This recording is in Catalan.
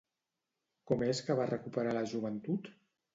Com és que va recuperar la joventut?